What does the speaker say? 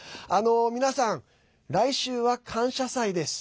皆さん、来週は感謝祭です。